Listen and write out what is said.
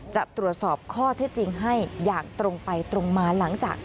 จะตรวจสอบข้อเท็จจริงให้อย่างตรงไปตรงมาหลังจาก